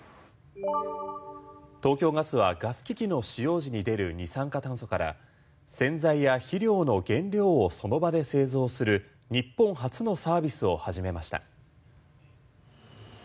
東京ガスは、ガス機器の使用時に出る二酸化炭素から洗剤や肥料の原料をその場で製造する日本初のサービスを始めました。